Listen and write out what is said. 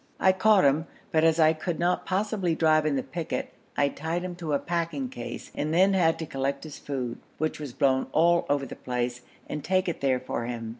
I caught him, but as I could not possibly drive in the picket, I tied him to a packing case, and then had to collect his food, which was blown all over the place, and take it there for him.